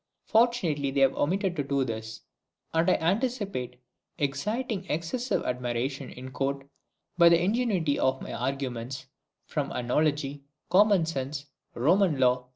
Fortunately they have omitted to do this, and I anticipate exciting excessive admiration in Court by the ingenuity of my arguments from Analogy, Common Sense, Roman Law, &c.